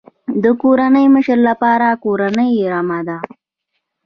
د کورنۍ مشر لپاره کورنۍ رمه ده.